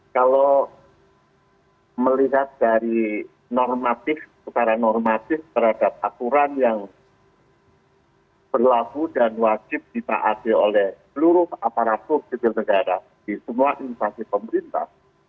kalau melihat dari normatif secara normatif terhadap aturan yang berlaku dan wajib ditaati oleh seluruh aparatur sipil negara di semua instansi pemerintah